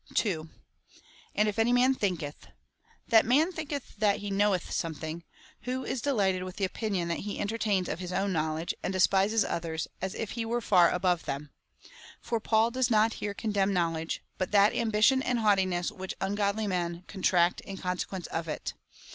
'" 2. And if any man thinketh. Tliat man thinketh that he knoweth something, who is delighted with the opinion that he entertains of his own knowledge, and despises others, as if he were far above them. For Paul does not here condemn knowledge, but that ambition and haughtiness which un godly men contract in consequence of it.